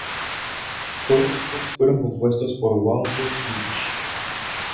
Todos los temas fueron compuestos por Walter Pietsch.